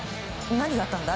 何があったんだ？